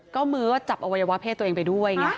ก็มือก็จับอวัยวะเพศตัวเองไปด้วยไง